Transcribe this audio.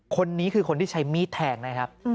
คนนี้คือคนที่ใช้มีดแทงนะครับ